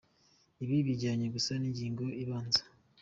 Ibi bijya gusa ni ingingo ibanza.